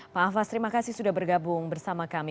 pak hafaz terima kasih sudah bergabung bersama kami